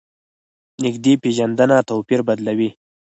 نږدې پېژندنه توپیر بدلوي.